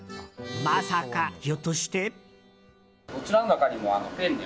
まさか、ひょっとして。